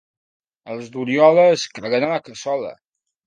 Els d'Oriola es caguen a la cassola.